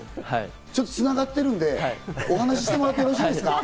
ちょっと繋がってるんで、お話してもらっていいですか？